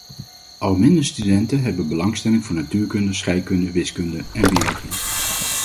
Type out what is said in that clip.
Al minder studenten hebben belangstelling voor natuurkunde, scheikunde, wiskunde en biologie.